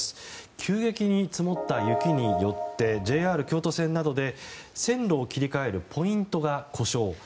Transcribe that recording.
急激に積もった雪によってＪＲ京都線などで線路を切り替えるポイントが故障。